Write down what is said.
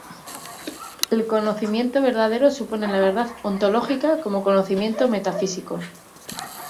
El conocimiento verdadero supone la verdad ontológica como conocimiento metafísico.